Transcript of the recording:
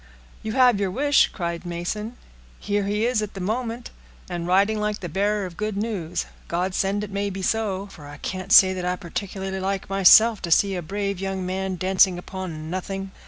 "You have your wish," cried Mason. "Here he is at the moment, and riding like the bearer of good news. God send it may be so; for I can't say that I particularly like myself to see a brave young fellow dancing upon nothing."